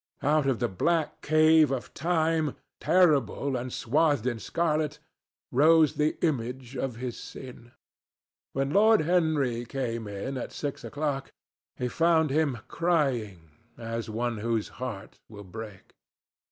Out of the black cave of time, terrible and swathed in scarlet, rose the image of his sin. When Lord Henry came in at six o'clock, he found him crying as one whose heart will break.